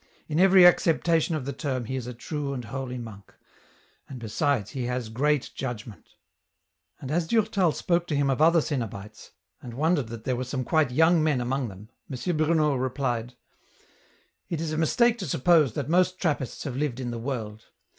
In every acceptation of the term he is a true and holy monk ; besides, he has great judgment. ..." And as Durtal spoke to him of the other cenobites, and wondered that there were some quite young men among them, M. Bruno replied, " It is a mistake to suppose that most Trappists have lived in the world.